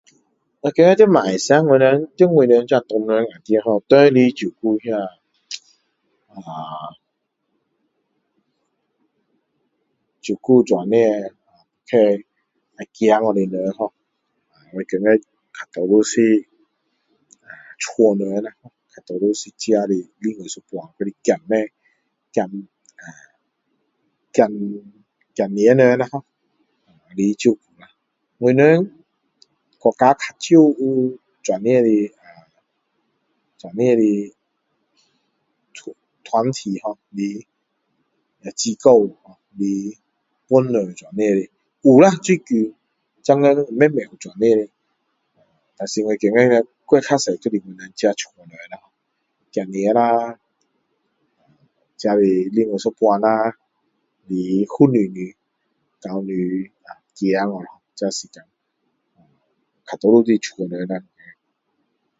我觉得在马来西亚我们在我们这华人里面谁来照顾那啧啊照顾这样快要走的人ho我觉得大多数是家人啦大多数是另外一半孩孩孩子们ho里照顾我们国家较少有这样的啊这样的团体ho来机构会来帮助这样的有啦最近现在慢慢有这样的但是我觉得较多还是我们自己家人咯孩子们啦自己的另一半啊来服侍你到你走了咯大多数是自家人啦